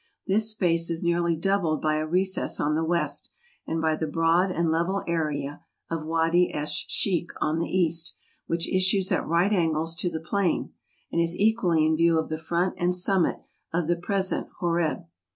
This space is nearly doubled by a recess on the west, and by the broad and level area of Wady esh Sheikh on the east, which issues at right angles to the plain, and is equally in view of the front and summit of the present Horeb.